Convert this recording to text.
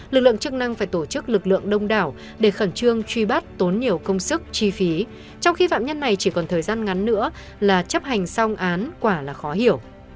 lực lượng chức năng phải tổ chức lực lượng đông đảo để khẩn trương truy bắt tốn nhiều công sức chi phí trong khi phạm nhân này chỉ còn thời gian ngắn nữa là chấp hành xong án quả là khó hiểu